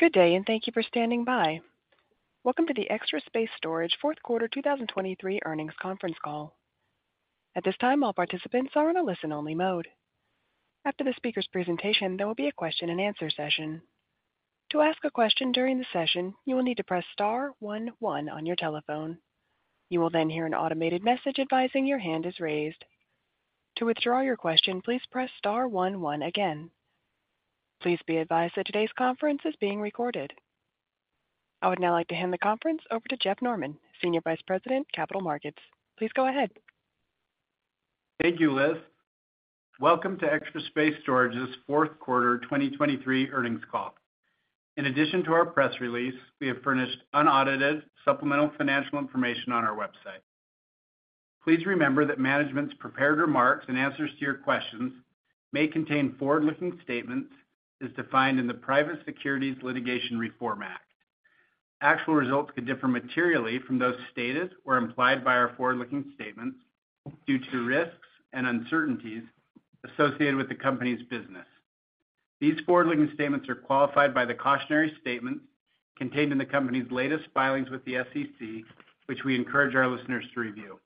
Good day, and thank you for standing by. Welcome to the Extra Space Storage Fourth Quarter 2023 Earnings Conference Call. At this time, all participants are in a listen-only mode. After the speaker's presentation, there will be a question-and-answer session. To ask a question during the session, you will need to press star 11 on your telephone. You will then hear an automated message advising your hand is raised. To withdraw your question, please press star 11 again. Please be advised that today's conference is being recorded. I would now like to hand the conference over to Jeff Norman, Senior Vice President, Capital Markets. Please go ahead. Thank you, Liz. Welcome to Extra Space Storage's fourth quarter 2023 earnings call. In addition to our press release, we have furnished unaudited supplemental financial information on our website. Please remember that management's prepared remarks and answers to your questions may contain forward-looking statements as defined in the Private Securities Litigation Reform Act. Actual results could differ materially from those stated or implied by our forward-looking statements due to risks and uncertainties associated with the company's business. These forward-looking statements are qualified by the cautionary statement contained in the company's latest filings with the SEC, which we encourage our listeners to review.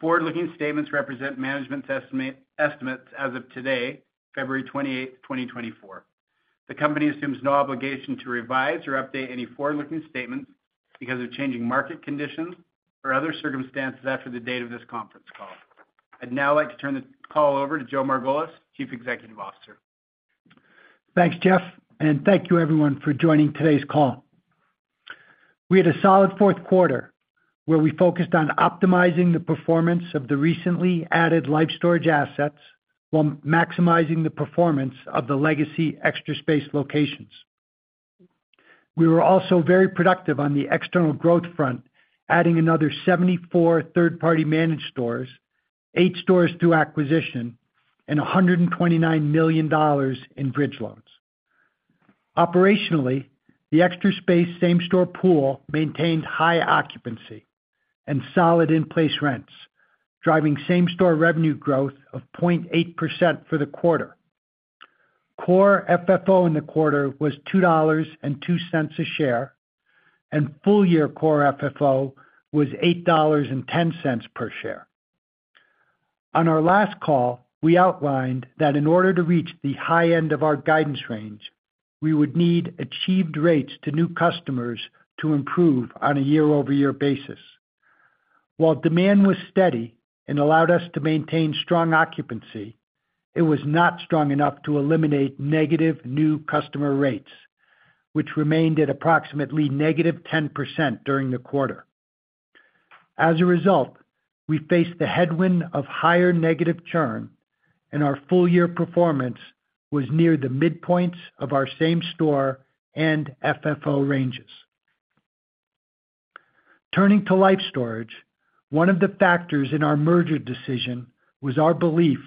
Forward-looking statements represent management's estimate, estimates as of today, February 28, 2024. The company assumes no obligation to revise or update any forward-looking statements because of changing market conditions or other circumstances after the date of this conference call. I'd now like to turn the call over to Joe Margolis, Chief Executive Officer. Thanks, Jeff, and thank you everyone for joining today's call. We had a solid fourth quarter, where we focused on optimizing the performance of the recently added Life Storage assets, while maximizing the performance of the legacy Extra Space locations. We were also very productive on the external growth front, adding another 74 third-party managed stores, 8 stores through acquisition, and $129 million in bridge loans. Operationally, the Extra Space same-store pool maintained high occupancy and solid in-place rents, driving same-store revenue growth of 0.8% for the quarter. Core FFO in the quarter was $2.02 a share, and full-year core FFO was $8.10 per share. On our last call, we outlined that in order to reach the high end of our guidance range, we would need achieved rates to new customers to improve on a year-over-year basis. While demand was steady and allowed us to maintain strong occupancy, it was not strong enough to eliminate negative new customer rates, which remained at approximately negative 10% during the quarter. As a result, we faced the headwind of higher negative churn, and our full-year performance was near the midpoints of our same-store and FFO ranges. Turning to Life Storage, one of the factors in our merger decision was our belief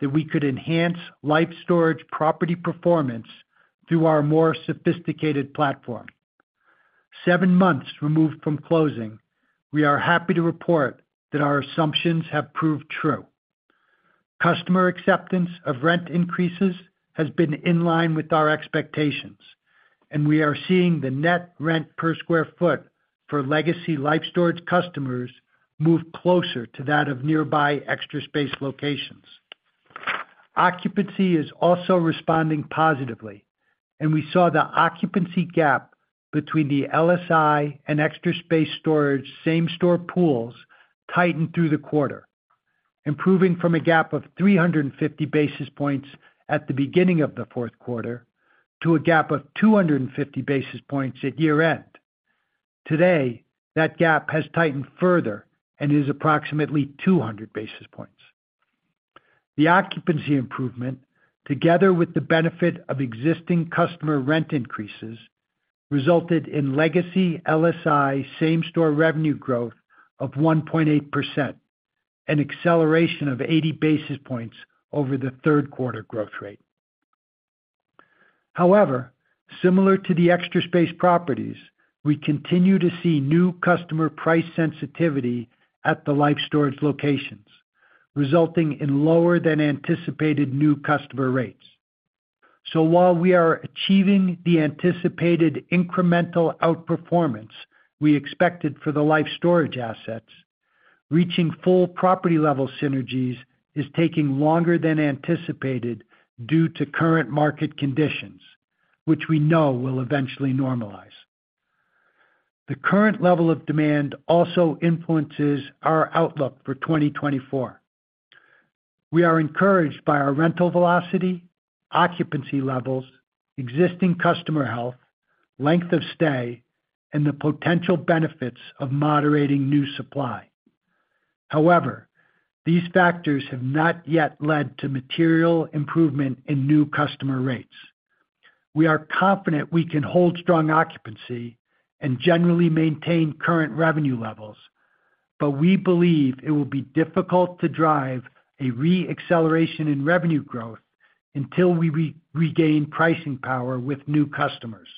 that we could enhance Life Storage property performance through our more sophisticated platform. Seven months removed from closing, we are happy to report that our assumptions have proved true. Customer acceptance of rent increases has been in line with our expectations, and we are seeing the net rent per sq ft for legacy Life Storage customers move closer to that of nearby Extra Space locations. Occupancy is also responding positively, and we saw the occupancy gap between the LSI and Extra Space Storage same-store pools tighten through the quarter, improving from a gap of 350 basis points at the beginning of the fourth quarter to a gap of 250 basis points at year-end. Today, that gap has tightened further and is approximately 200 basis points. The occupancy improvement, together with the benefit of existing customer rent increases, resulted in legacy LSI same-store revenue growth of 1.8%, an acceleration of 80 basis points over the third quarter growth rate. However, similar to the Extra Space properties, we continue to see new customer price sensitivity at the Life Storage locations, resulting in lower than anticipated new customer rates. So while we are achieving the anticipated incremental outperformance we expected for the Life Storage assets, reaching full property-level synergies is taking longer than anticipated due to current market conditions, which we know will eventually normalize. The current level of demand also influences our outlook for 2024. We are encouraged by our rental velocity, occupancy levels, existing customer health, length of stay, and the potential benefits of moderating new supply. However, these factors have not yet led to material improvement in new customer rates. We are confident we can hold strong occupancy and generally maintain current revenue levels, but we believe it will be difficult to drive a re-acceleration in revenue growth until we re- regain pricing power with new customers...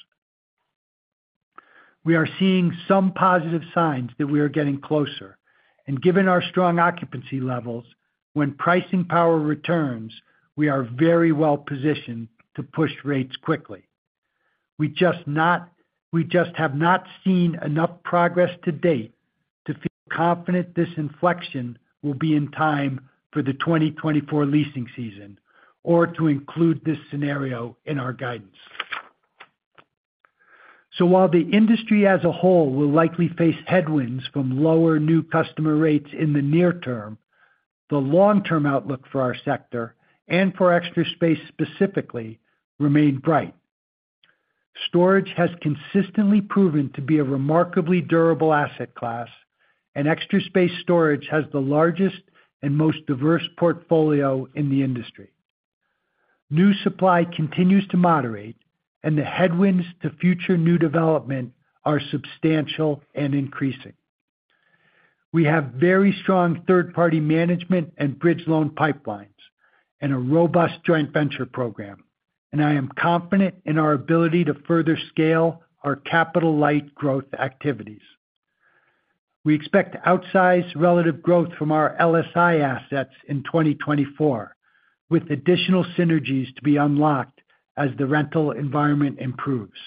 We are seeing some positive signs that we are getting closer. And given our strong occupancy levels, when pricing power returns, we are very well positioned to push rates quickly. We just have not seen enough progress to date to feel confident this inflection will be in time for the 2024 leasing season, or to include this scenario in our guidance. So while the industry as a whole will likely face headwinds from lower new customer rates in the near term, the long-term outlook for our sector, and for Extra Space specifically, remain bright. Storage has consistently proven to be a remarkably durable asset class, and Extra Space Storage has the largest and most diverse portfolio in the industry. New supply continues to moderate, and the headwinds to future new development are substantial and increasing. We have very strong third-party management and bridge loan pipelines, and a robust joint venture program, and I am confident in our ability to further scale our capital-light growth activities. We expect outsized relative growth from our LSI assets in 2024, with additional synergies to be unlocked as the rental environment improves.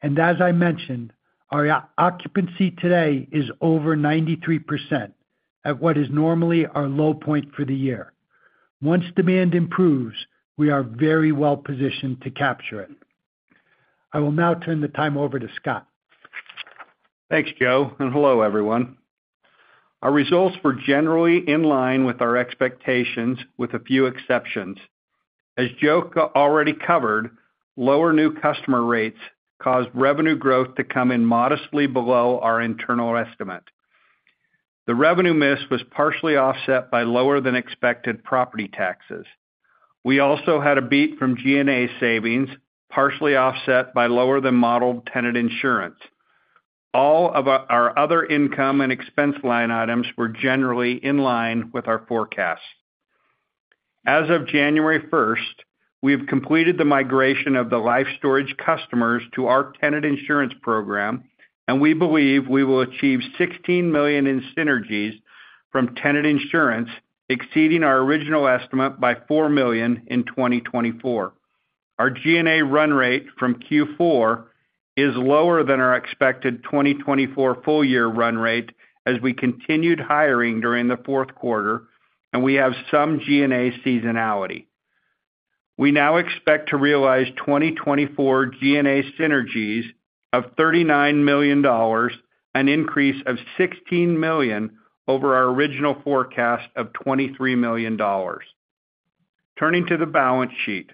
And as I mentioned, our occupancy today is over 93%, at what is normally our low point for the year. Once demand improves, we are very well positioned to capture it. I will now turn the time over to Scott. Thanks, Joe, and hello, everyone. Our results were generally in line with our expectations, with a few exceptions. As Joe already covered, lower new customer rates caused revenue growth to come in modestly below our internal estimate. The revenue miss was partially offset by lower than expected property taxes. We also had a beat from G&A savings, partially offset by lower than modeled tenant insurance. All of our other income and expense line items were generally in line with our forecasts. As of January first, we have completed the migration of the Life Storage customers to our tenant insurance program, and we believe we will achieve $16 million in synergies from tenant insurance, exceeding our original estimate by $4 million in 2024. Our G&A run rate from Q4 is lower than our expected 2024 full year run rate, as we continued hiring during the fourth quarter, and we have some G&A seasonality. We now expect to realize 2024 G&A synergies of $39 million, an increase of $16 million over our original forecast of $23 million. Turning to the balance sheet,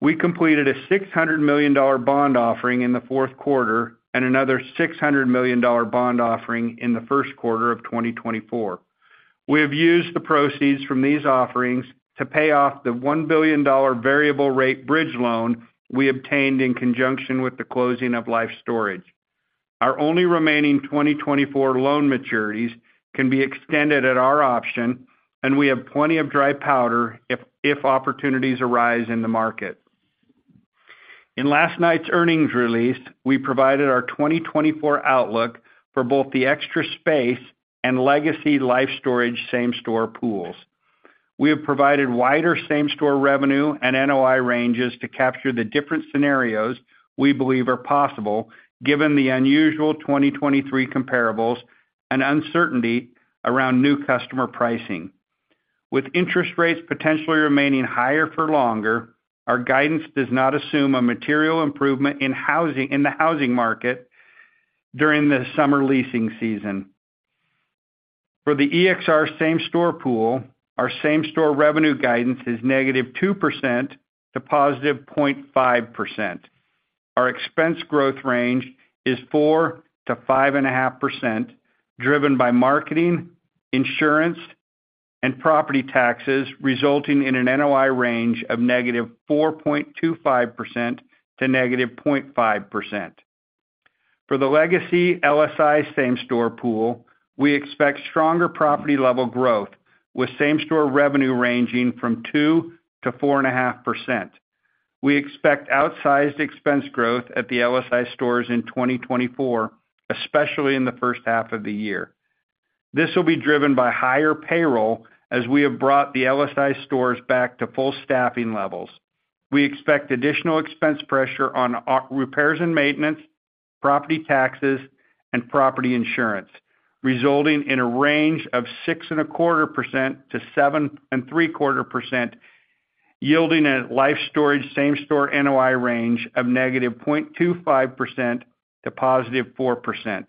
we completed a $600 million bond offering in the fourth quarter, and another $600 million bond offering in the first quarter of 2024. We have used the proceeds from these offerings to pay off the $1 billion variable rate bridge loan we obtained in conjunction with the closing of Life Storage. Our only remaining 2024 loan maturities can be extended at our option, and we have plenty of dry powder if opportunities arise in the market. In last night's earnings release, we provided our 2024 outlook for both the Extra Space and legacy Life Storage same-store pools. We have provided wider same-store revenue and NOI ranges to capture the different scenarios we believe are possible, given the unusual 2023 comparables and uncertainty around new customer pricing. With interest rates potentially remaining higher for longer, our guidance does not assume a material improvement in the housing market during the summer leasing season. For the EXR same-store pool, our same-store revenue guidance is -2% to +0.5%. Our expense growth range is 4%-5.5%, driven by marketing, insurance, and property taxes, resulting in an NOI range of -4.25% to -0.5%. For the legacy LSI same-store pool, we expect stronger property level growth with same-store revenue ranging from 2%-4.5%. We expect outsized expense growth at the LSI stores in 2024, especially in the first half of the year. This will be driven by higher payroll, as we have brought the LSI stores back to full staffing levels. We expect additional expense pressure on our repairs and maintenance, property taxes, and property insurance, resulting in a range of 6.25%-7.75%, yielding a Life Storage same-store NOI range of -0.25% to +4%.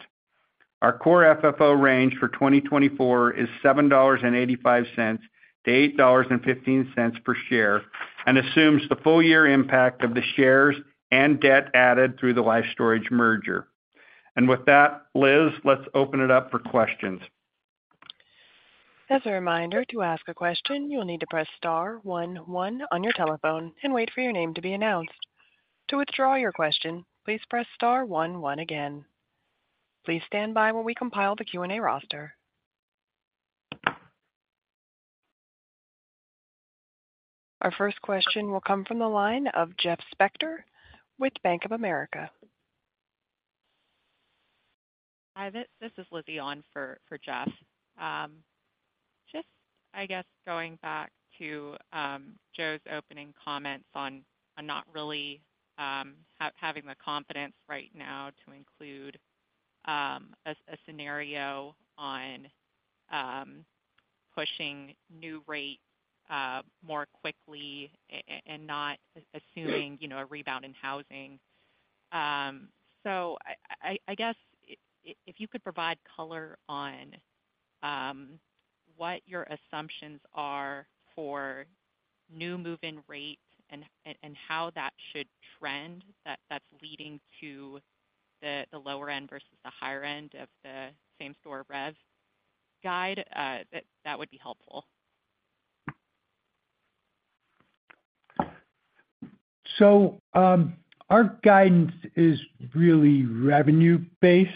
Our Core FFO range for 2024 is $7.85-$8.15 per share and assumes the full year impact of the shares and debt added through the Life Storage merger. With that, Liz, let's open it up for questions. As a reminder, to ask a question, you will need to press star, one, one on your telephone and wait for your name to be announced. To withdraw your question, please press star, one, one again. Please stand by while we compile the Q&A roster... Our first question will come from the line of Jeff Spector with Bank of America. Hi, this is Lizzie on for Jeff. Just, I guess, going back to Joe's opening comments on not really having the confidence right now to include a scenario on pushing new rates more quickly and not assuming, you know, a rebound in housing. So I guess if you could provide color on what your assumptions are for new move-in rates and how that should trend, that's leading to the lower end versus the higher end of the same store rev guide, that would be helpful. So, our guidance is really revenue based,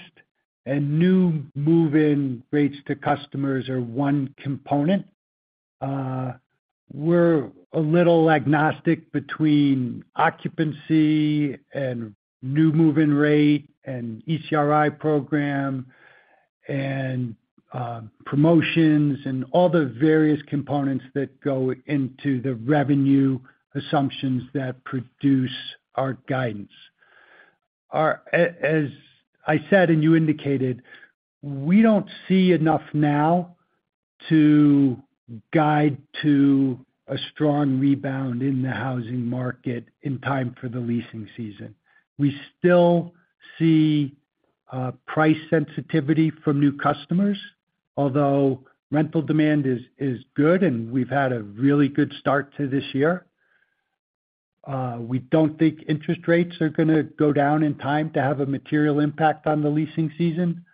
and new move-in rates to customers are one component. We're a little agnostic between occupancy and new move-in rate, and ECRI program, and promotions, and all the various components that go into the revenue assumptions that produce our guidance. As I said, and you indicated, we don't see enough now to guide to a strong rebound in the housing market in time for the leasing season. We still see price sensitivity from new customers, although rental demand is good, and we've had a really good start to this year. We don't think interest rates are gonna go down in time to have a material impact on the leasing season.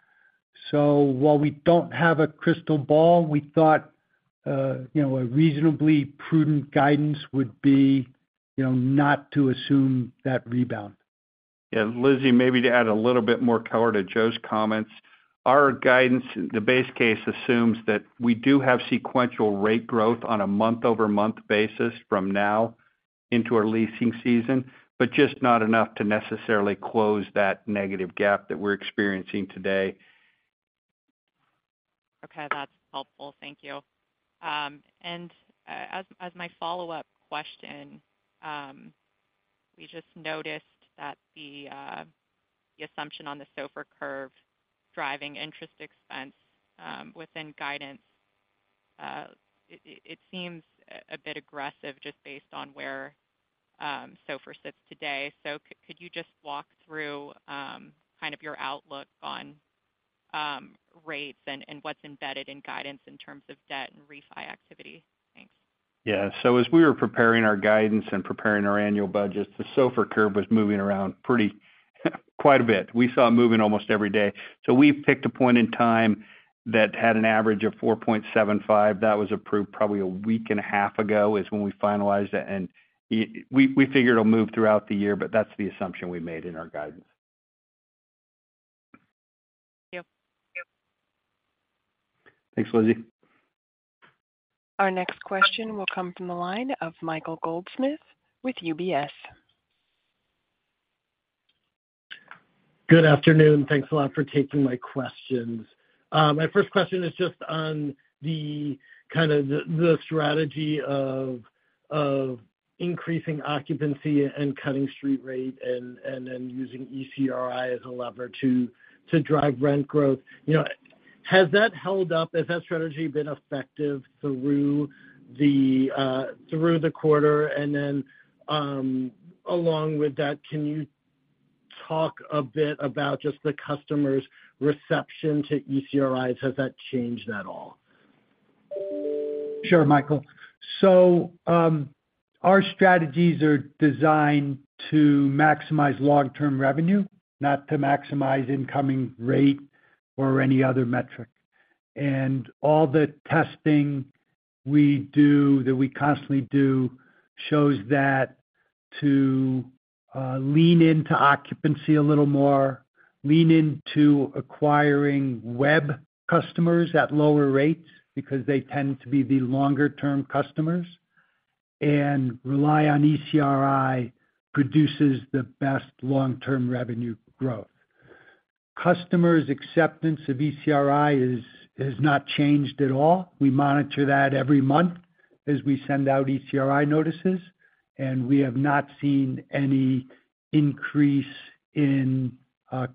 So while we don't have a crystal ball, we thought, you know, a reasonably prudent guidance would be, you know, not to assume that rebound. Yeah, Lizzie, maybe to add a little bit more color to Joe's comments. Our guidance, the base case, assumes that we do have sequential rate growth on a month-over-month basis from now into our leasing season, but just not enough to necessarily close that negative gap that we're experiencing today. Okay, that's helpful. Thank you. And as my follow-up question, we just noticed that the assumption on the SOFR curve driving interest expense within guidance. It seems a bit aggressive just based on where SOFR sits today. So could you just walk through kind of your outlook on rates and what's embedded in guidance in terms of debt and refi activity? Thanks. Yeah. So as we were preparing our guidance and preparing our annual budgets, the SOFR curve was moving around pretty, quite a bit. We saw it moving almost every day. So we picked a point in time that had an average of 4.75. That was approved probably a week and a half ago, is when we finalized it, and we figure it'll move throughout the year, but that's the assumption we made in our guidance. Thank you. Thanks, Lizzie. Our next question will come from the line of Michael Goldsmith with UBS. Good afternoon. Thanks a lot for taking my questions. My first question is just on the kind of strategy of increasing occupancy and cutting street rate and then using ECRI as a lever to drive rent growth. You know, has that held up? Has that strategy been effective through the quarter? And then, along with that, can you talk a bit about just the customers' reception to ECRI? Has that changed at all? Sure, Michael. So, our strategies are designed to maximize long-term revenue, not to maximize incoming rate or any other metric. And all the testing we do, that we constantly do, shows that to lean into occupancy a little more, lean into acquiring web customers at lower rates, because they tend to be the longer-term customers, and rely on ECRI, produces the best long-term revenue growth. Customers' acceptance of ECRI is, has not changed at all. We monitor that every month as we send out ECRI notices, and we have not seen any increase in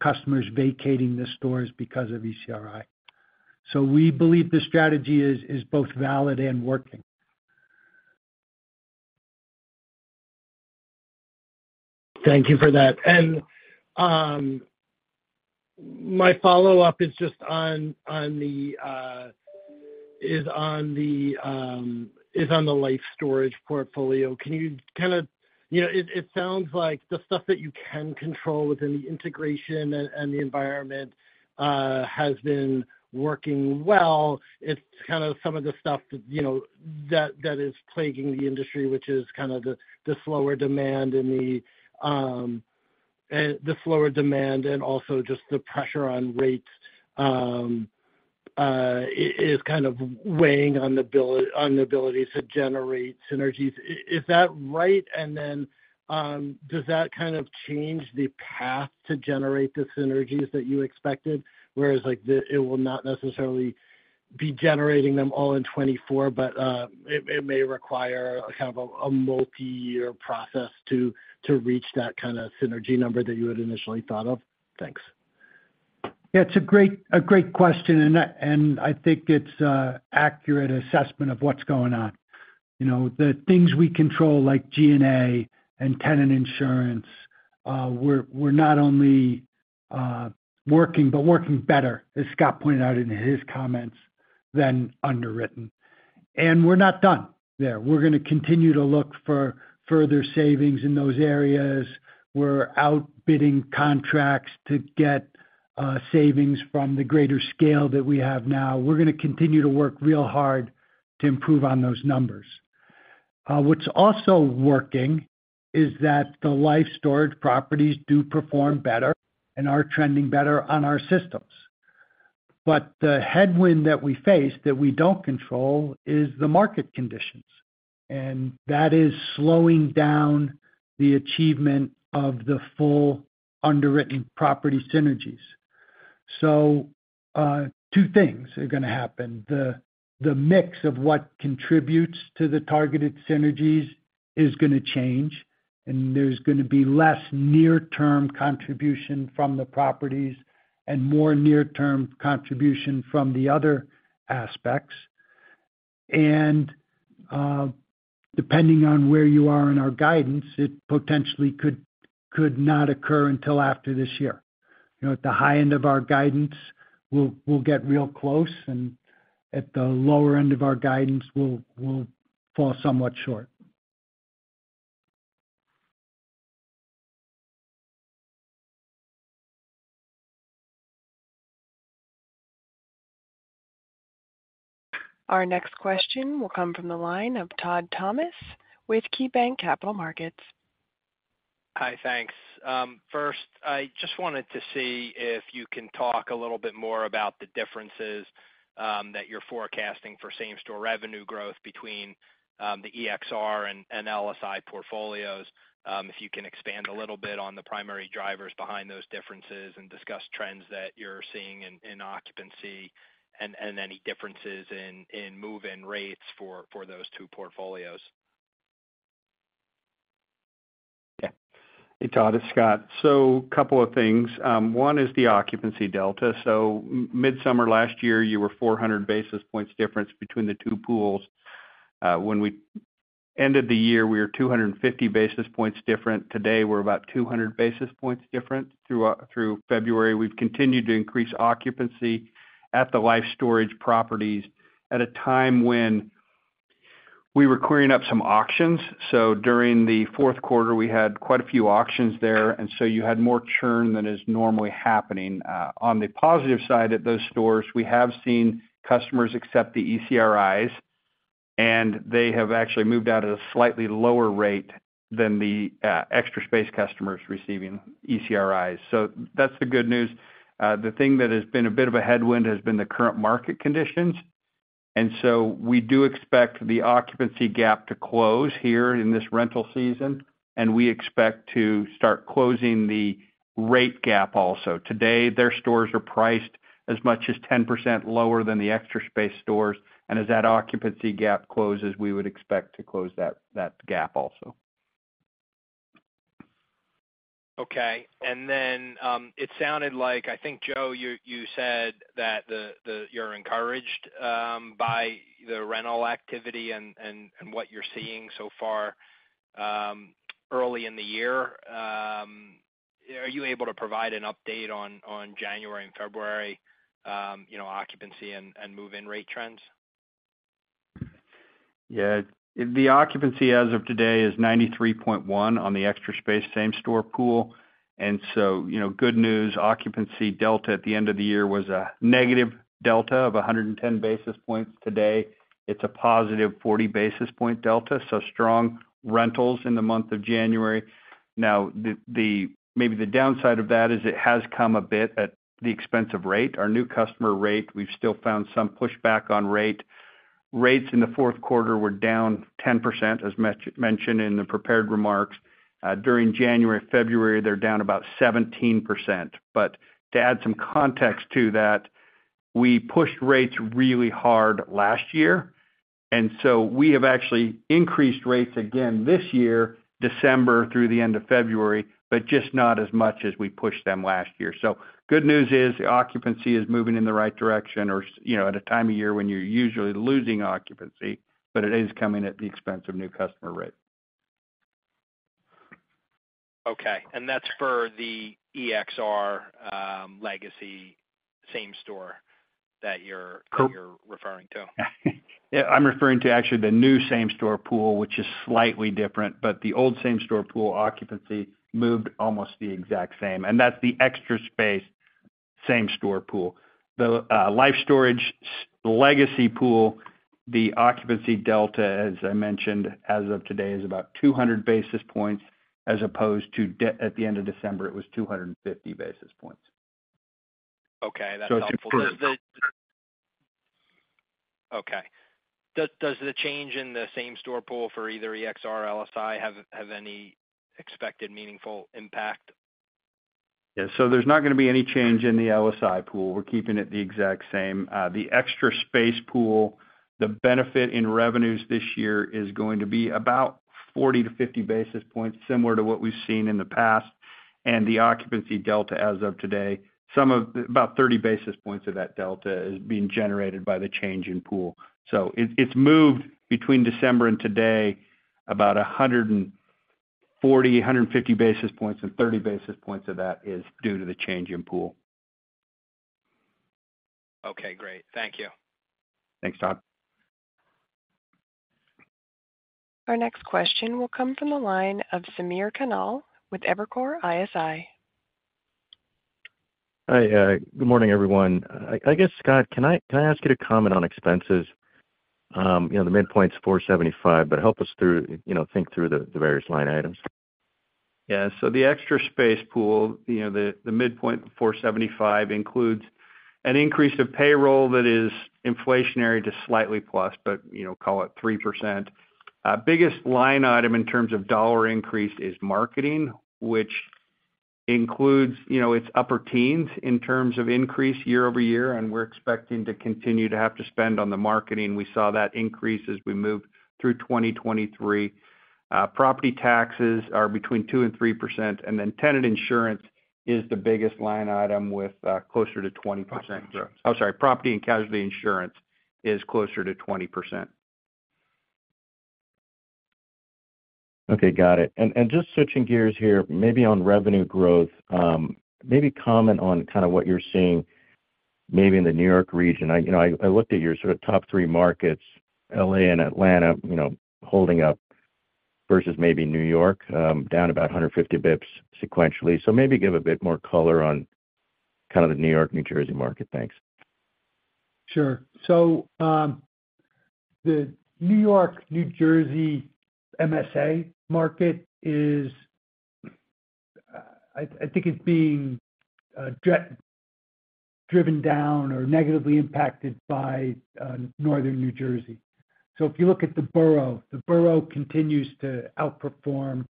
customers vacating the stores because of ECRI. So we believe the strategy is, is both valid and working. Thank you for that. And my follow-up is just on the Life Storage portfolio. Can you kind of... You know, it sounds like the stuff that you can control within the integration and the environment has been working well. It's kind of some of the stuff that, you know, that is plaguing the industry, which is kind of the slower demand and also just the pressure on rates... is kind of weighing on the ability to generate synergies. Is that right? And then, does that kind of change the path to generate the synergies that you expected? Whereas, like, it will not necessarily be generating them all in 2024, but it may require kind of a multi-year process to reach that kind of synergy number that you had initially thought of? Thanks. Yeah, it's a great question, and I think it's an accurate assessment of what's going on. You know, the things we control, like G&A and tenant insurance, we're not only working, but working better, as Scott pointed out in his comments, than underwritten. And we're not done there. We're gonna continue to look for further savings in those areas. We're outbidding contracts to get savings from the greater scale that we have now. We're gonna continue to work real hard to improve on those numbers. What's also working is that the Life Storage properties do perform better and are trending better on our systems. But the headwind that we face, that we don't control, is the market conditions, and that is slowing down the achievement of the full underwritten property synergies. So, two things are gonna happen. The mix of what contributes to the targeted synergies is gonna change, and there's gonna be less near-term contribution from the properties and more near-term contribution from the other aspects. Depending on where you are in our guidance, it potentially could not occur until after this year. You know, at the high end of our guidance, we'll get real close, and at the lower end of our guidance, we'll fall somewhat short. Our next question will come from the line of Todd Thomas with KeyBanc Capital Markets. Hi, thanks. First, I just wanted to see if you can talk a little bit more about the differences that you're forecasting for same-store revenue growth between the EXR and LSI portfolios. If you can expand a little bit on the primary drivers behind those differences and discuss trends that you're seeing in occupancy and any differences in move-in rates for those two portfolios. Yeah. Hey, Todd, it's Scott. So couple of things, one is the occupancy delta. So midsummer last year, you were 400 basis points difference between the two pools. When we ended the year, we were 250 basis points different. Today, we're about 200 basis points different. Through February, we've continued to increase occupancy at the Life Storage properties at a time when we were querying up some auctions. So during the fourth quarter, we had quite a few auctions there, and so you had more churn than is normally happening. On the positive side, at those stores, we have seen customers accept the ECRIs, and they have actually moved out at a slightly lower rate than the Extra Space customers receiving ECRIs. So that's the good news. The thing that has been a bit of a headwind has been the current market conditions. And so we do expect the occupancy gap to close here in this rental season, and we expect to start closing the rate gap also. Today, their stores are priced as much as 10% lower than the Extra Space stores, and as that occupancy gap closes, we would expect to close that, that gap also. Okay, and then, it sounded like... I think, Joe, you said that you're encouraged by the rental activity and what you're seeing so far, early in the year. Are you able to provide an update on January and February, you know, occupancy and move-in rate trends? Yeah. The occupancy as of today is 93.1 on the Extra Space same-store pool. And so, you know, good news, occupancy delta at the end of the year was a negative delta of 110 basis points. Today, it's a positive 40 basis point delta, so strong rentals in the month of January. Now, maybe the downside of that is it has come a bit at the expense of rate. Our new customer rate, we've still found some pushback on rate. Rates in the fourth quarter were down 10%, as mentioned in the prepared remarks. During January, February, they're down about 17%. To add some context to that, we pushed rates really hard last year, and so we have actually increased rates again this year, December through the end of February, but just not as much as we pushed them last year. So good news is, occupancy is moving in the right direction, you know, at a time of year when you're usually losing occupancy, but it is coming at the expense of new customer rate. Okay, and that's for the EXR legacy same store that you're- Cor- You're referring to? Yeah, I'm referring to actually the new same-store pool, which is slightly different, but the old same-store pool occupancy moved almost the exact same, and that's the Extra Space same-store pool. The Life Storage, the legacy pool, the occupancy delta, as I mentioned, as of today, is about 200 basis points, as opposed to at the end of December, it was 250 basis points. Okay, that's helpful. So it's- Okay. Does the change in the same-store pool for either EXR or LSI have any expected meaningful impact? Yeah, so there's not gonna be any change in the LSI pool. We're keeping it the exact same. The extra space pool, the benefit in revenues this year is going to be about 40-50 basis points, similar to what we've seen in the past, and the occupancy delta as of today. Some of about 30 basis points of that delta is being generated by the change in pool. So it, it's moved between December and today, about 140-150 basis points, and 30 basis points of that is due to the change in pool. Okay, great. Thank you. Thanks, Todd. Our next question will come from the line of Samir Khanal with Evercore ISI. Hi, good morning, everyone. I guess, Scott, can I ask you to comment on expenses? You know, the midpoint's $475, but help us through, you know, think through the various line items. Yeah, so the Extra Space pool, you know, the midpoint $475 includes an increase of payroll that is inflationary to slightly plus, but, you know, call it 3%. Biggest line item in terms of dollar increase is marketing, which includes, you know, it's upper teens in terms of increase year over year, and we're expecting to continue to have to spend on the marketing. We saw that increase as we moved through 2023. Property taxes are between 2% and 3%, and then tenant insurance is the biggest line item with closer to 20%. Oh, sorry, property and casualty insurance is closer to 20%. Okay, got it. And just switching gears here, maybe on revenue growth, maybe comment on kind of what you're seeing maybe in the New York region. I, you know, I looked at your sort of top three markets, L.A. and Atlanta, you know, holding up versus maybe New York, down about 150 BPS sequentially. So maybe give a bit more color on kind of the New York-New Jersey market. Thanks. Sure. So, the New York-New Jersey MSA market is, I, I think it's being driven down or negatively impacted by, Northern New Jersey. So if you look at the borough, the borough continues to outperform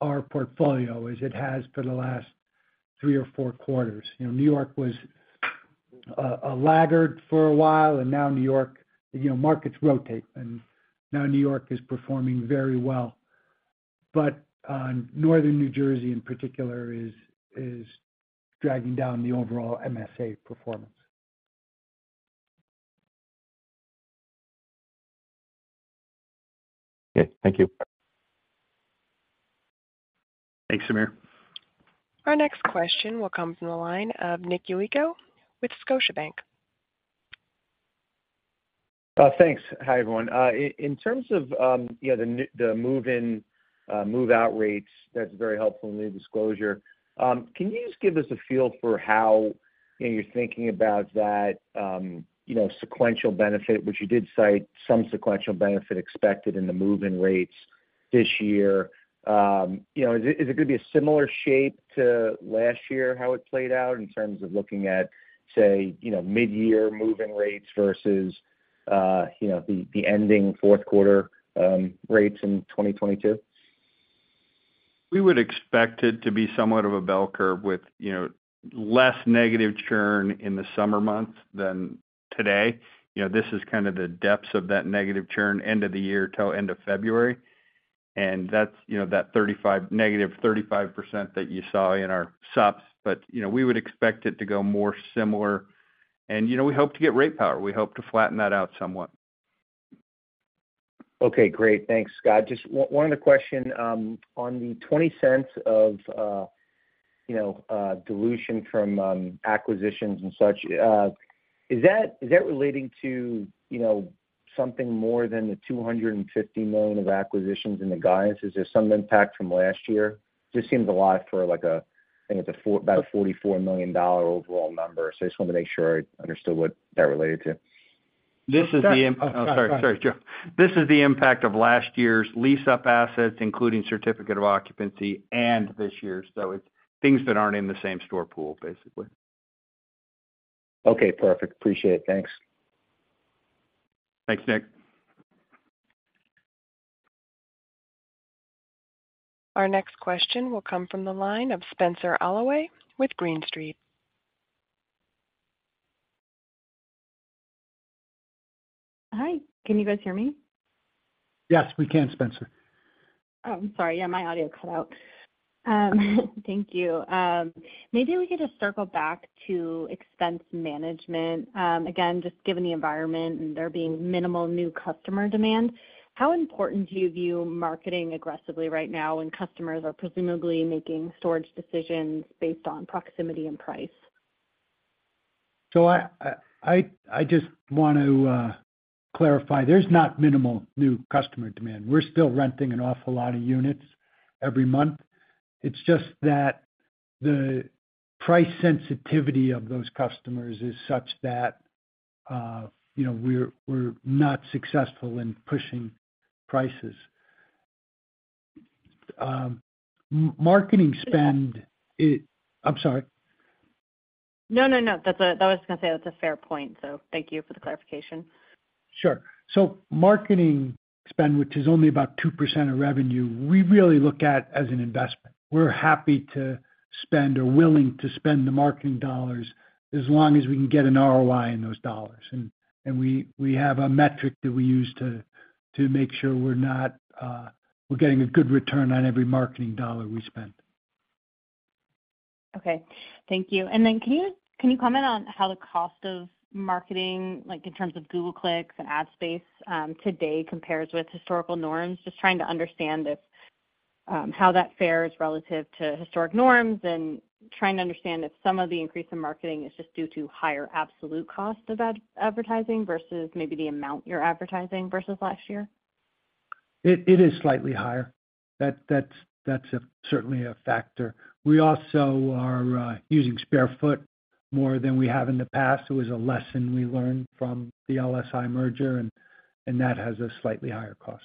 our portfolio as it has for the last three or four quarters. You know, New York was a laggard for a while, and now New York... You know, markets rotate, and now New York is performing very well. But, northern New Jersey, in particular, is, is dragging down the overall MSA performance. Okay, thank you. Thanks, Samir. Our next question will come from the line of Nick Yulico with Scotiabank. Thanks. Hi, everyone. In terms of, you know, the move-in, move-out rates, that's very helpful in the disclosure. Can you just give us a feel for how, you know, you're thinking about that, you know, sequential benefit, which you did cite some sequential benefit expected in the move-in rates this year? You know, is it, is it gonna be a similar shape to last year, how it played out in terms of looking at, say, you know, midyear move-in rates versus, you know, the ending fourth quarter rates in 2022? We would expect it to be somewhat of a bell curve with, you know, less negative churn in the summer months than today. You know, this is kind of the depths of that negative churn, end of the year till end of February. And that's, you know, that 35, -35% that you saw in our subs. But, you know, we would expect it to go more similar, and, you know, we hope to get rate power. We hope to flatten that out somewhat. Okay, great. Thanks, Scott. Just one, one other question, on the $0.20 of, you know, dilution from, acquisitions and such, is that, is that relating to, you know, something more than the $250 million of acquisitions in the guidance? Is there some impact from last year? Just seems a lot for like a, I think it's a four- about a $44 million overall number. So I just wanted to make sure I understood what that related to. This is the imp- Yeah. Oh, sorry. Sorry, Joe. This is the impact of last year's lease-up assets, including Certificate of Occupancy and this year. So it's things that aren't in the same-store pool, basically. Okay, perfect. Appreciate it. Thanks. Thanks, Nick. Our next question will come from the line of Spenser Allaway with Green Street. Hi, can you guys hear me? Yes, we can, Spenser. Oh, I'm sorry. Yeah, my audio cut out. Thank you. Maybe we could just circle back to expense management. Again, just given the environment and there being minimal new customer demand, how important do you view marketing aggressively right now, and customers are presumably making storage decisions based on proximity and price? So I just want to clarify, there's not minimal new customer demand. We're still renting an awful lot of units every month. It's just that the price sensitivity of those customers is such that, you know, we're not successful in pushing prices. Marketing spend, I'm sorry? No, no, no. That's a, I was gonna say, that's a fair point, so thank you for the clarification. Sure. So marketing spend, which is only about 2% of revenue, we really look at as an investment. We're happy to spend or willing to spend the marketing dollars as long as we can get an ROI in those dollars. And we have a metric that we use to make sure we're getting a good return on every marketing dollar we spend. Okay, thank you. Can you comment on how the cost of marketing, like, in terms of Google clicks and ad space, today compares with historical norms? Just trying to understand if how that fares relative to historic norms and trying to understand if some of the increase in marketing is just due to higher absolute cost of advertising versus maybe the amount you're advertising versus last year. It is slightly higher. That's certainly a factor. We also are using SpareFoot more than we have in the past. It was a lesson we learned from the LSI merger, and that has a slightly higher cost.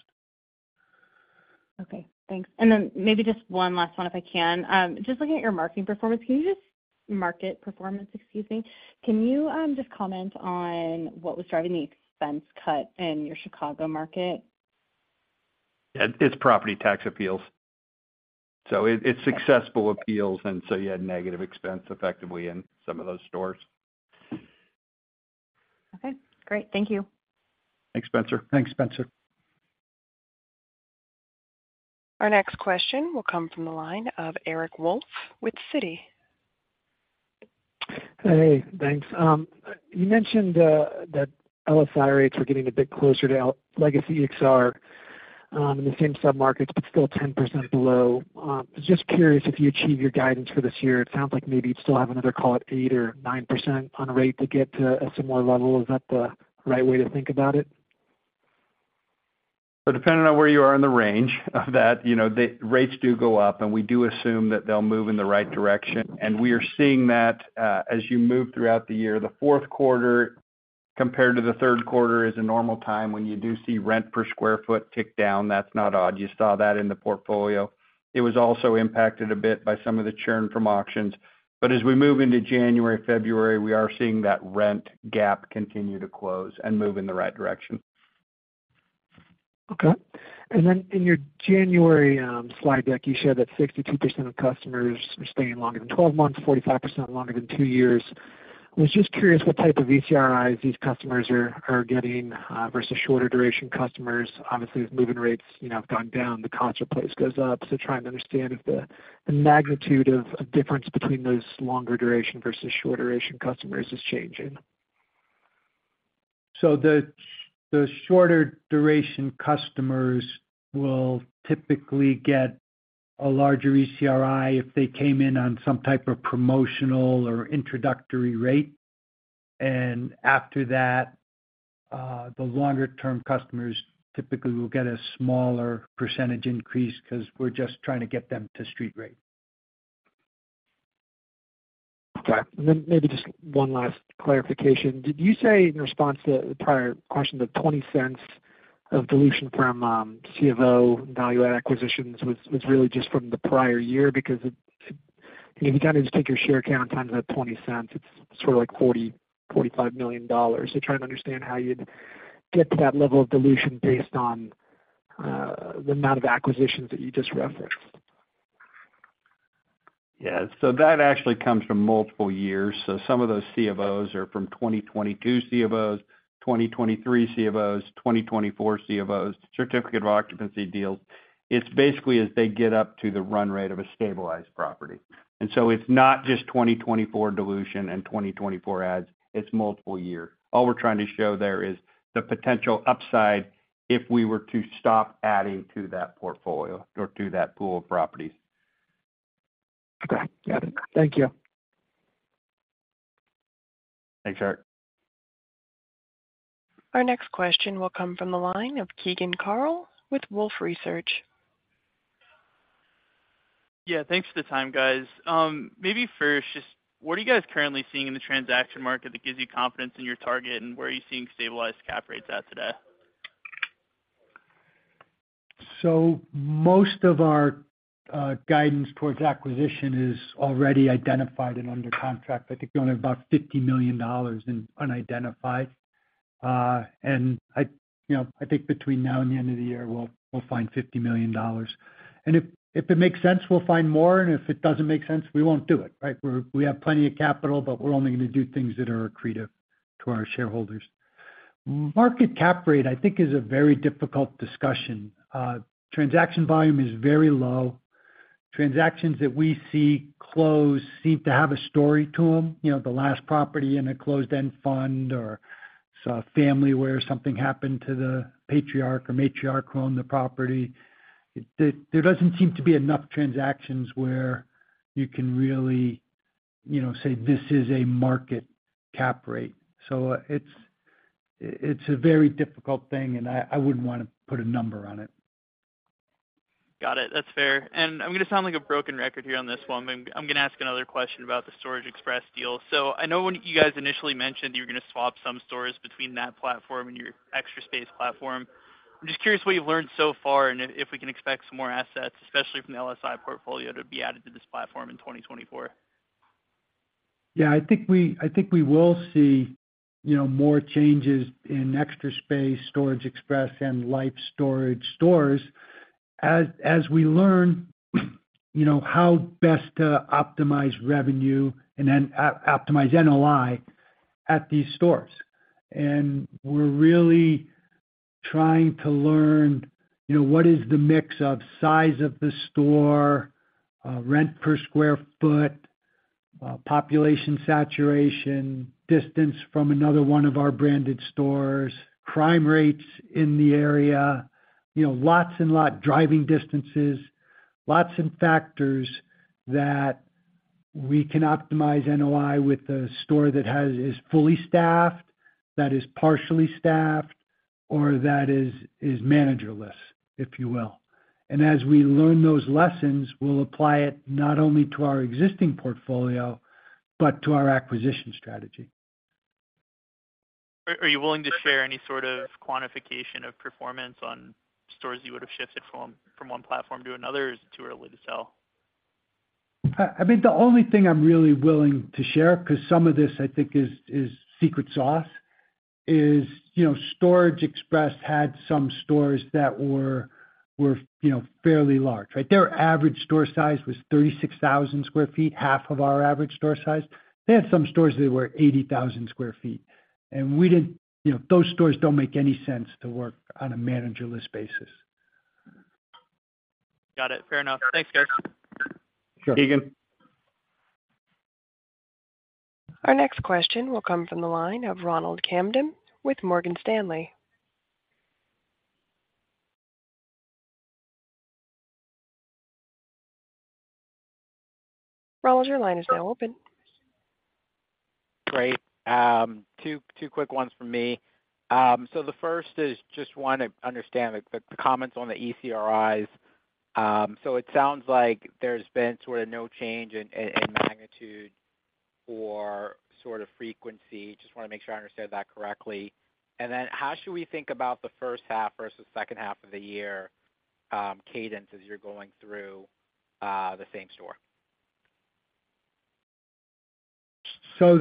Okay, thanks. And then maybe just one last one, if I can. Just looking at your marketing performance, can you just... Market performance, excuse me. Can you just comment on what was driving the expense cut in your Chicago market? Yeah, it's property tax appeals. So it's successful appeals, and so you had negative expense effectively in some of those stores. Okay, great. Thank you. Thanks, Spencer. Thanks, Spencer. Our next question will come from the line of Eric Wolfe with Citi. Hey, thanks. You mentioned that LSI rates were getting a bit closer to our legacy EXR, in the same submarkets, but still 10% below. Just curious if you achieve your guidance for this year, it sounds like maybe you'd still have another call it 8% or 9% on rate to get to a similar level. Is that the right way to think about it? So depending on where you are in the range of that, you know, the rates do go up, and we do assume that they'll move in the right direction. And we are seeing that, as you move throughout the year, the fourth quarter compared to the third quarter is a normal time when you do see rent per sq ft tick down. That's not odd. You saw that in the portfolio. It was also impacted a bit by some of the churn from auctions. But as we move into January, February, we are seeing that rent gap continue to close and move in the right direction. Okay. And then in your January slide deck, you said that 62% of customers are staying longer than 12 months, 45% longer than 2 years. I was just curious what type of ECRIs these customers are getting versus shorter duration customers. Obviously, as move-in rates, you know, have gone down, the cost per place goes up. So trying to understand if the magnitude of a difference between those longer duration versus short duration customers is changing. The shorter duration customers will typically get a larger ECRI if they came in on some type of promotional or introductory rate. After that, the longer-term customers typically will get a smaller percentage increase because we're just trying to get them to Street rate. Okay. And then maybe just one last clarification. Did you say in response to the prior question, the $0.20 of dilution from FFO value add acquisitions was really just from the prior year? Because it if you kind of just take your share count times that $0.20, it's sort of like $40-$45 million. So trying to understand how you'd get to that level of dilution based on the amount of acquisitions that you just referenced. Yeah, so that actually comes from multiple years. So some of those FFOs are from 2022 FFOs, 2023 FFOs, 2024 FFOs, Certificate of Occupancy deals. It's basically as they get up to the run rate of a stabilized property. And so it's not just 2024 dilution and 2024 adds, it's multiple year. All we're trying to show there is the potential upside if we were to stop adding to that portfolio or to that pool of properties. Okay, got it. Thank you. Thanks, Eric. Our next question will come from the line of Keegan Carl with Wolfe Research. Yeah, thanks for the time, guys. Maybe first, just what are you guys currently seeing in the transaction market that gives you confidence in your target, and where are you seeing stabilized cap rates at today? So most of our guidance towards acquisition is already identified and under contract. I think we only have about $50 million in unidentified. And I, you know, I think between now and the end of the year, we'll, we'll find $50 million. And if, if it makes sense, we'll find more, and if it doesn't make sense, we won't do it, right? We're, we have plenty of capital, but we're only going to do things that are accretive to our shareholders. Market cap rate, I think, is a very difficult discussion. Transaction volume is very low. Transactions that we see close seem to have a story to them, you know, the last property in a closed-end fund or it's a family where something happened to the patriarch or matriarch who owned the property. There doesn't seem to be enough transactions where you can really, you know, say this is a market cap rate. So it's a very difficult thing, and I wouldn't wanna put a number on it. Got it. That's fair. And I'm gonna sound like a broken record here on this one, but I'm gonna ask another question about the Storage Express deal. So I know when you guys initially mentioned you were gonna swap some stores between that platform and your Extra Space platform. I'm just curious what you've learned so far and if, if we can expect some more assets, especially from the LSI portfolio, to be added to this platform in 2024. Yeah, I think we will see, you know, more changes in Extra Space, Storage Express, and Life Storage stores as we learn, you know, how best to optimize revenue and then optimize NOI at these stores. And we're really trying to learn, you know, what is the mix of size of the store, rent per square foot, population saturation, distance from another one of our branded stores, crime rates in the area, you know, lots and lots of driving distances, lots of factors that we can optimize NOI with a store that is fully staffed, that is partially staffed, or that is managerless, if you will. And as we learn those lessons, we'll apply it not only to our existing portfolio, but to our acquisition strategy. Are you willing to share any sort of quantification of performance on stores you would have shifted from one platform to another, or is it too early to tell? I mean, the only thing I'm really willing to share, 'cause some of this, I think, is secret sauce, is, you know, Storage Express had some stores that were, you know, fairly large, right? Their average store size was 36,000 sq ft, half of our average store size. They had some stores that were 80,000 sq ft, and we didn't, you know, those stores don't make any sense to work on a managerless basis. Got it. Fair enough. Thanks, Joe. Sure. Keegan. Our next question will come from the line of Ronald Kamden with Morgan Stanley. Ronald, your line is now open. Great. Two, two quick ones from me. So the first is, just wanna understand the comments on the ECRIs. So it sounds like there's been sort of no change in magnitude or sort of frequency. Just wanna make sure I understand that correctly. And then how should we think about the first half versus the second half of the year, cadence, as you're going through the same store? So,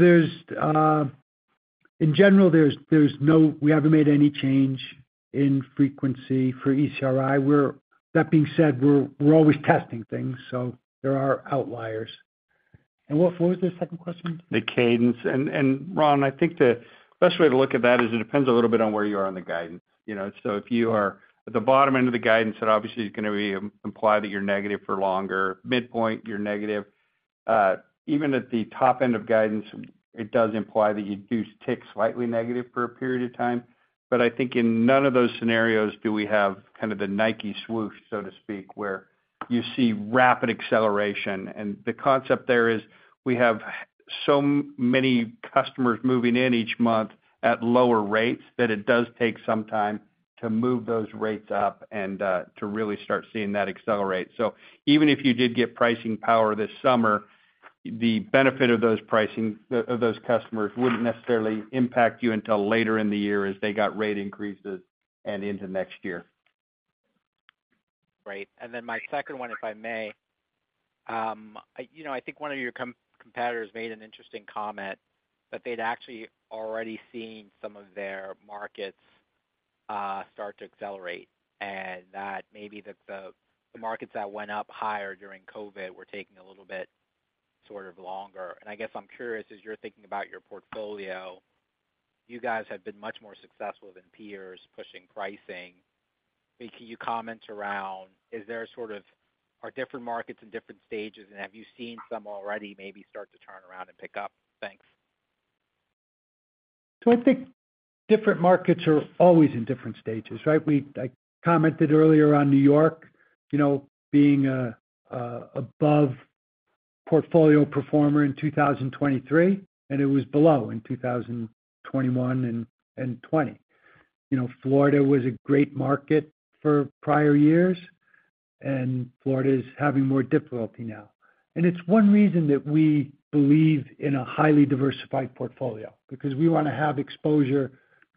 in general, there's no—we haven't made any change in frequency for ECRI. We're—That being said, we're always testing things, so there are outliers. And what was the second question? The cadence. And, Ron, I think the best way to look at that is it depends a little bit on where you are on the guidance. You know, so if you are at the bottom end of the guidance, it obviously is gonna be imply that you're negative for longer, midpoint, you're negative. Even at the top end of guidance, it does imply that you do tick slightly negative for a period of time. But I think in none of those scenarios do we have kind of the Nike swoosh, so to speak, where you see rapid acceleration. And the concept there is, we have so many customers moving in each month at lower rates, that it does take some time to move those rates up and to really start seeing that accelerate. Even if you did get pricing power this summer, the benefit of those pricing, of those customers wouldn't necessarily impact you until later in the year as they got rate increases and into next year. Right. And then my second one, if I may. I, you know, I think one of your competitors made an interesting comment that they'd actually already seen some of their markets start to accelerate, and that maybe the markets that went up higher during COVID were taking a little bit, sort of longer. And I guess I'm curious, as you're thinking about your portfolio, you guys have been much more successful than peers pushing pricing. Can you comment around, is there a sort of... Are different markets in different stages, and have you seen some already maybe start to turn around and pick up? Thanks. So I think different markets are always in different stages, right? I commented earlier on New York, you know, being above portfolio performer in 2023, and it was below in 2021 and 2020. You know, Florida was a great market for prior years, and Florida is having more difficulty now. It's one reason that we believe in a highly diversified portfolio, because we wanna have exposure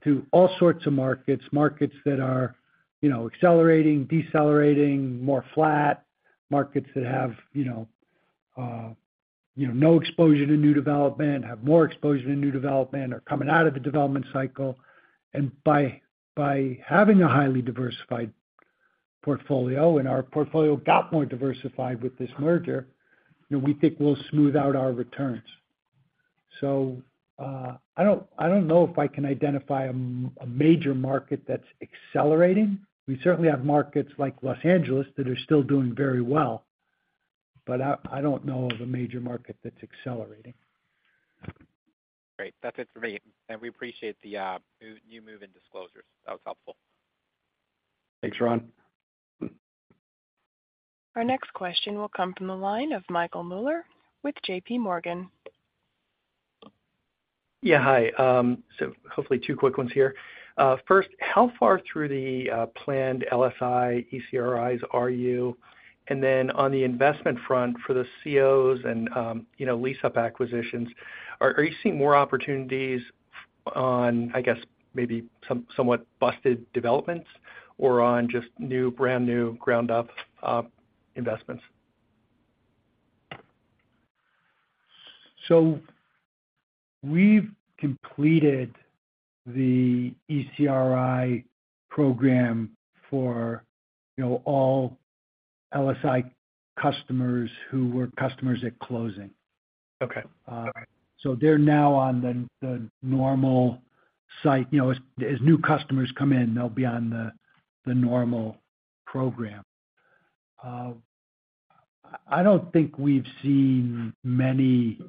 to all sorts of markets, markets that are, you know, accelerating, decelerating, more flat, markets that have, you know, no exposure to new development, have more exposure to new development, are coming out of the development cycle. By having a highly diversified portfolio, and our portfolio got more diversified with this merger, you know, we think we'll smooth out our returns. I don't, I don't know if I can identify a major market that's accelerating. We certainly have markets like Los Angeles that are still doing very well, but I, I don't know of a major market that's accelerating. Great. That's it for me. We appreciate the new move-in disclosures. That was helpful. Thanks, Ron. Our next question will come from the line of Michael Mueller with JPMorgan. Yeah, hi. So hopefully two quick ones here. First, how far through the planned LSI ECRIs are you? And then on the investment front for the COs and, you know, lease-up acquisitions, are you seeing more opportunities on, I guess, maybe somewhat busted developments or on just new, brand new ground up investments? So we've completed the ECRI program for, you know, all LSI customers who were customers at closing. Okay. So they're now on the normal site. You know, as new customers come in, they'll be on the normal program. I don't think we've seen many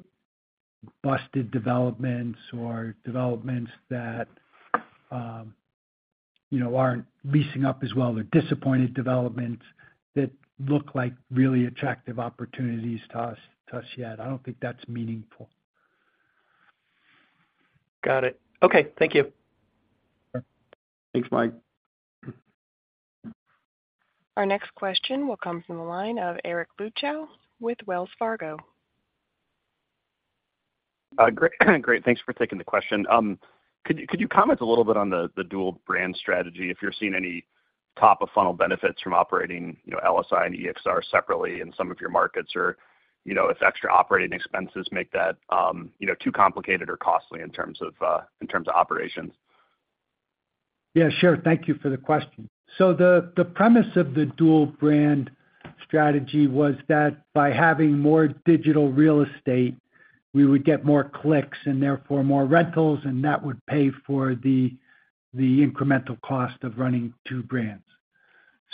busted developments or developments that, you know, aren't leasing up as well, or disappointed developments that look like really attractive opportunities to us yet. I don't think that's meaningful. Got it. Okay. Thank you. Thanks, Mike. Our next question will come from the line of Eric Luebchow with Wells Fargo. Great. Great, thanks for taking the question. Could you comment a little bit on the dual brand strategy, if you're seeing any top-of-funnel benefits from operating, you know, LSI and EXR separately in some of your markets, or, you know, if extra operating expenses make that too complicated or costly in terms of operations? Yeah, sure. Thank you for the question. So the premise of the dual brand strategy was that by having more digital real estate, we would get more clicks and therefore more rentals, and that would pay for the incremental cost of running two brands.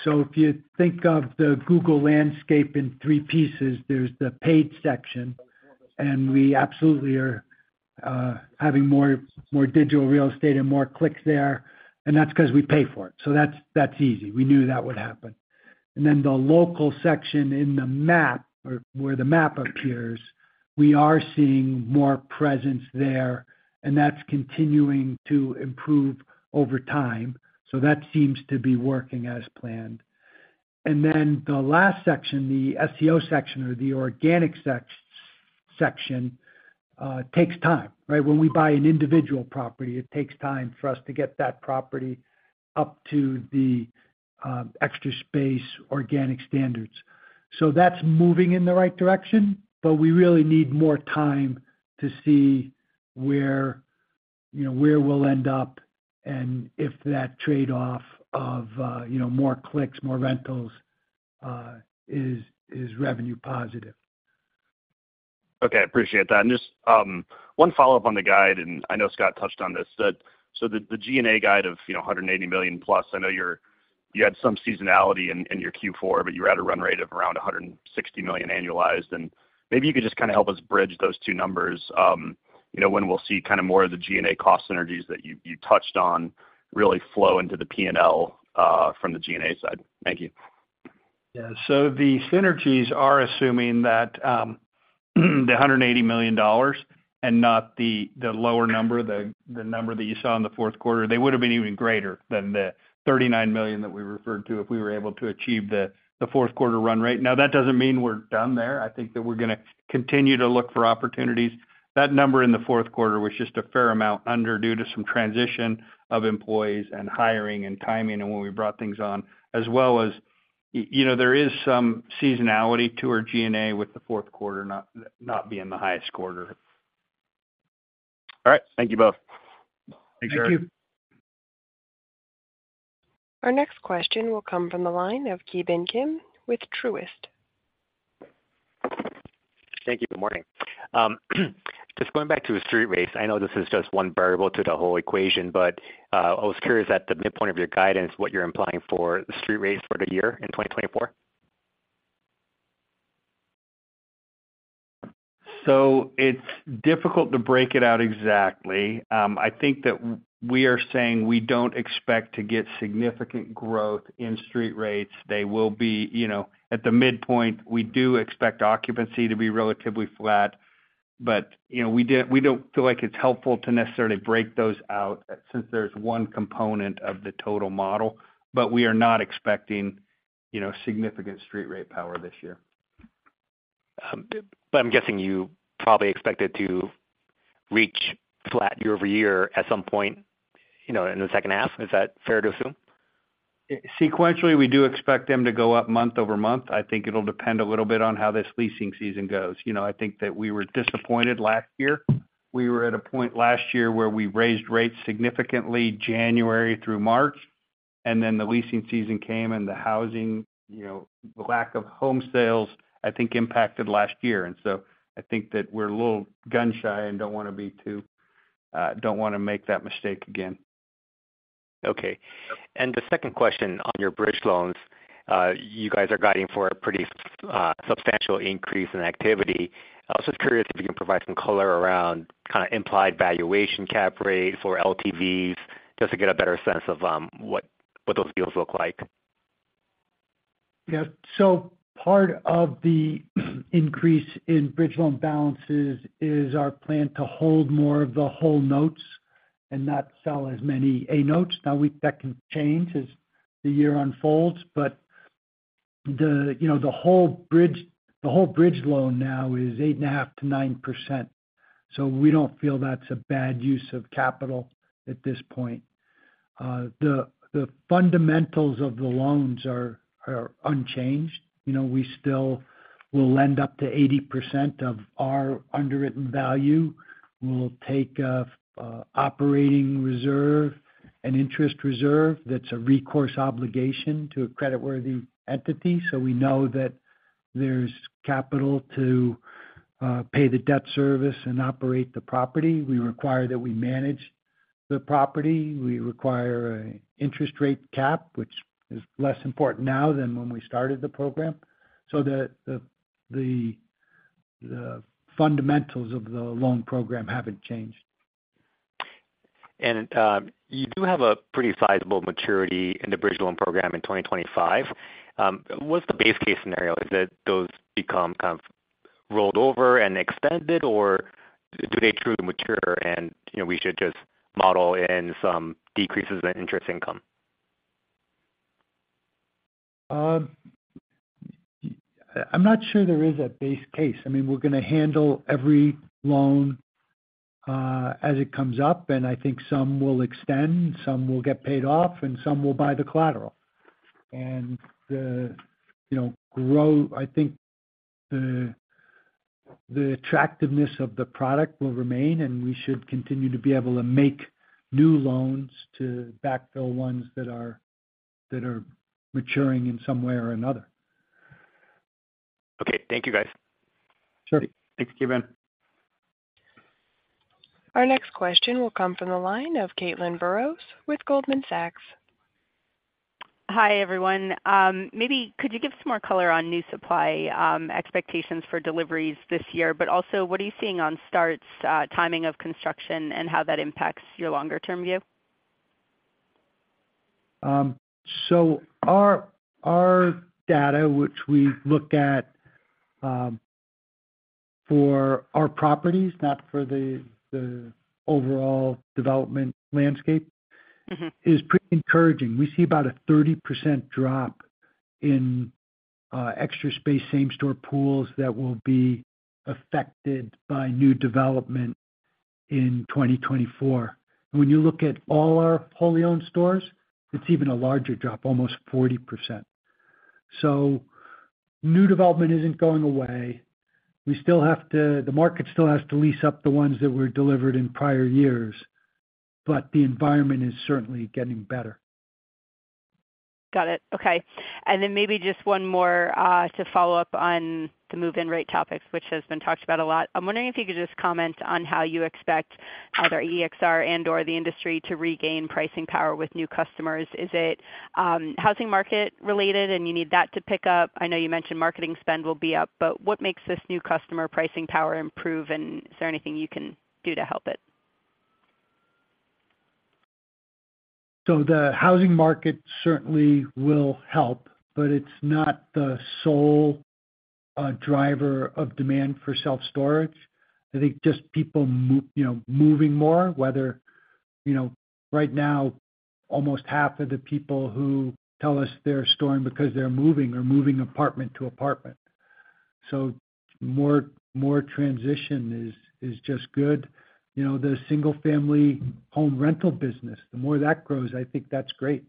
So if you think of the Google landscape in three pieces, there's the paid section, and we absolutely are having more digital real estate and more clicks there, and that's 'cause we pay for it. So that's easy. We knew that would happen. And then the local section in the map, or where the map appears, we are seeing more presence there, and that's continuing to improve over time. So that seems to be working as planned. And then the last section, the SEO section or the organic section, takes time, right? When we buy an individual property, it takes time for us to get that property up to the Extra Space organic standards. So that's moving in the right direction, but we really need more time to see where, you know, where we'll end up and if that trade-off of, you know, more clicks, more rentals, is revenue positive. Okay, appreciate that. And just one follow-up on the guide, and I know Scott touched on this. But so the G&A guide of, you know, $180 million plus, I know you had some seasonality in your Q4, but you were at a run rate of around $160 million annualized. And maybe you could just kind of help us bridge those two numbers. You know, when we'll see kind of more of the G&A cost synergies that you touched on, really flow into the P&L from the G&A side. Thank you. Yeah. So the synergies are assuming that, the $180 million and not the, the lower number, the, the number that you saw in the fourth quarter, they would've been even greater than the $39 million that we referred to, if we were able to achieve the, the fourth quarter run rate. Now, that doesn't mean we're done there. I think that we're gonna continue to look for opportunities. That number in the fourth quarter was just a fair amount under, due to some transition of employees and hiring and timing and when we brought things on, as well as, you know, there is some seasonality to our G&A with the fourth quarter not, not being the highest quarter. All right. Thank you both. Thanks, Eric. Thank you. Our next question will come from the line of Ki Bin Kim with Truist. Thank you. Good morning. Just going back to the street rates, I know this is just one variable to the whole equation, but, I was curious, at the midpoint of your guidance, what you're implying for the street rates for the year in 2024? It's difficult to break it out exactly. I think that we are saying we don't expect to get significant growth in street rates. They will be, you know, at the midpoint, we do expect occupancy to be relatively flat, but, you know, we don't feel like it's helpful to necessarily break those out since there's one component of the total model. But we are not expecting, you know, significant street rate power this year. But, I'm guessing you probably expect it to reach flat year-over-year at some point, you know, in the second half. Is that fair to assume? Sequentially, we do expect them to go up month-over-month. I think it'll depend a little bit on how this leasing season goes. You know, I think that we were disappointed last year. We were at a point last year where we raised rates significantly January through March, and then the leasing season came and the housing, you know, the lack of home sales, I think, impacted last year. And so I think that we're a little gun-shy and don't wanna make that mistake again. Okay. The second question on your bridge loans, you guys are guiding for a pretty substantial increase in activity. I was just curious if you can provide some color around kind of implied valuation cap rate for LTVs? Just to get a better sense of what those deals look like. Yeah. So part of the increase in bridge loan balances is our plan to hold more of the whole notes and not sell as many A notes. Now, we, that can change as the year unfolds, but the, you know, the whole bridge, the whole bridge loan now is 8.5%-9%, so we don't feel that's a bad use of capital at this point. The fundamentals of the loans are unchanged. You know, we still will lend up to 80% of our underwritten value. We'll take a operating reserve and interest reserve that's a recourse obligation to a creditworthy entity. So we know that there's capital to pay the debt service and operate the property. We require that we manage the property. We require a interest rate cap, which is less important now than when we started the program. So the fundamentals of the loan program haven't changed. You do have a pretty sizable maturity in the bridge loan program in 2025. What's the base case scenario? Is that those become kind of rolled over and extended, or do they truly mature and, you know, we should just model in some decreases in interest income? I'm not sure there is a base case. I mean, we're gonna handle every loan as it comes up, and I think some will extend, some will get paid off, and some we'll buy the collateral. And the, you know, I think the attractiveness of the product will remain, and we should continue to be able to make new loans to backfill ones that are maturing in some way or another. Okay, thank you, guys. Sure. Thanks, Ki Bin. Our next question will come from the line of Caitlin Burrows with Goldman Sachs. Hi, everyone. Maybe could you give some more color on new supply, expectations for deliveries this year, but also, what are you seeing on starts, timing of construction and how that impacts your longer-term view? So our data, which we looked at, for our properties, not for the overall development landscape- Mm-hmm... is pretty encouraging. We see about a 30% drop in Extra Space same-store pools that will be affected by new development in 2024. When you look at all our wholly owned stores, it's even a larger drop, almost 40%. So new development isn't going away. We still have to, the market still has to lease up the ones that were delivered in prior years, but the environment is certainly getting better. Got it. Okay. And then maybe just one more, to follow up on the move-in rate topic, which has been talked about a lot. I'm wondering if you could just comment on how you expect either EXR and/or the industry to regain pricing power with new customers. Is it, housing market related, and you need that to pick up? I know you mentioned marketing spend will be up, but what makes this new customer pricing power improve, and is there anything you can do to help it? So the housing market certainly will help, but it's not the sole driver of demand for self-storage. I think just people moving more, you know, whether. You know, right now, almost half of the people who tell us they're storing because they're moving are moving apartment to apartment. So more, more transition is, is just good. You know, the single-family home rental business, the more that grows, I think that's great.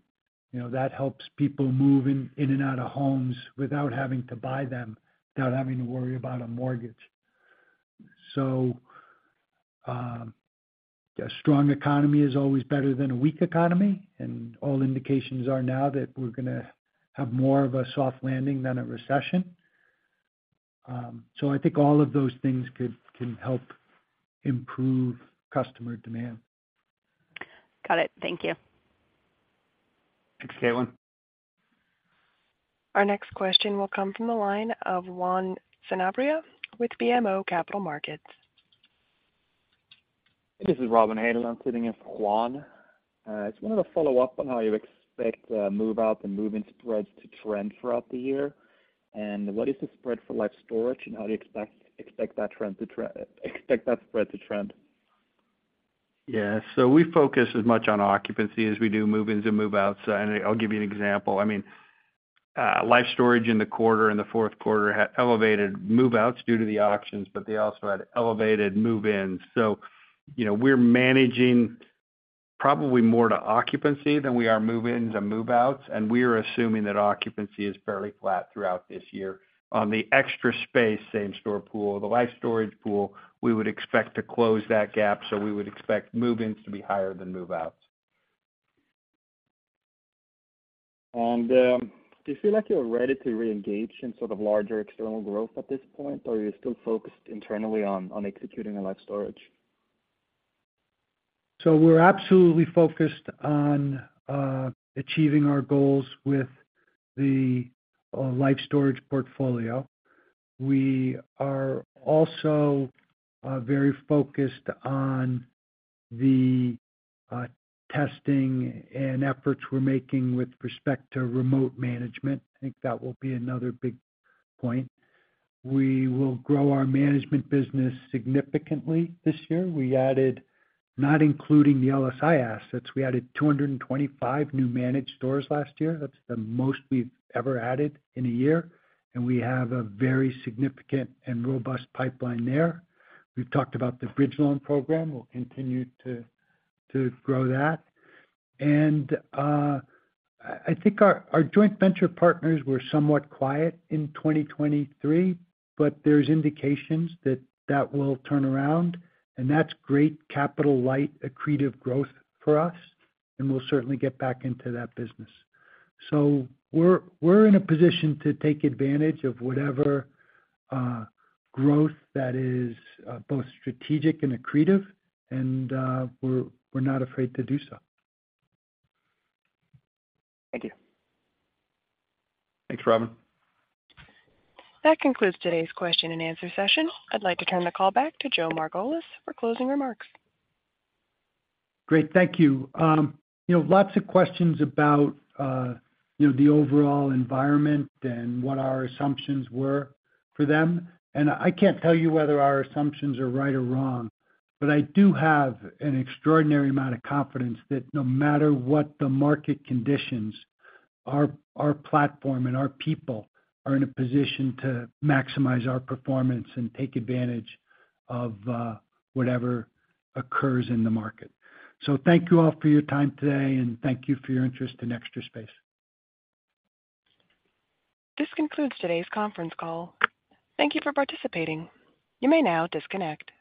You know, that helps people move in, in and out of homes without having to buy them, without having to worry about a mortgage. So a strong economy is always better than a weak economy, and all indications are now that we're gonna have more of a soft landing than a recession. So I think all of those things can help improve customer demand. Got it. Thank you. Thanks, Caitlin. Our next question will come from the line of Juan Sanabria with BMO Capital Markets. This is Robin Haneland, I'm sitting in for Juan. Just wanted to follow up on how you expect move-out and move-in spreads to trend throughout the year. And what is the spread for Life Storage, and how do you expect that spread to trend? Yeah, so we focus as much on occupancy as we do move-ins and move-outs. And I'll give you an example. I mean, Life Storage in the quarter, in the fourth quarter, had elevated move-outs due to the auctions, but they also had elevated move-ins. So, you know, we're managing probably more to occupancy than we are move-ins and move-outs, and we are assuming that occupancy is fairly flat throughout this year. On the Extra Space same-store pool, the Life Storage pool, we would expect to close that gap, so we would expect move-ins to be higher than move-outs. Do you feel like you're ready to reengage in sort of larger external growth at this point, or are you still focused internally on executing on Life Storage? So we're absolutely focused on achieving our goals with the Life Storage portfolio. We are also very focused on the testing and efforts we're making with respect to remote management. I think that will be another big point. We will grow our management business significantly this year. We added, not including the LSI assets, we added 225 new managed stores last year. That's the most we've ever added in a year, and we have a very significant and robust pipeline there. We've talked about the bridge loan program. We'll continue to grow that. And I think our joint venture partners were somewhat quiet in 2023, but there's indications that that will turn around, and that's great capital light, accretive growth for us, and we'll certainly get back into that business. So we're in a position to take advantage of whatever growth that is both strategic and accretive, and we're not afraid to do so. Thank you. Thanks, Robin. That concludes today's question-and-answer session. I'd like to turn the call back to Joe Margolis for closing remarks. Great. Thank you. You know, lots of questions about, you know, the overall environment and what our assumptions were for them, and I can't tell you whether our assumptions are right or wrong, but I do have an extraordinary amount of confidence that no matter what the market conditions, our, our platform and our people are in a position to maximize our performance and take advantage of, whatever occurs in the market. So thank you all for your time today, and thank you for your interest in Extra Space. This concludes today's conference call. Thank you for participating. You may now disconnect.